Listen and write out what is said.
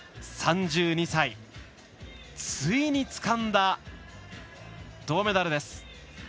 ３２歳、ついにつかんだ銅メダル。